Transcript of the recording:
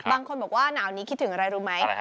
บางคนบอกว่าหนาวนี้คิดถึงอะไรรู้ไหม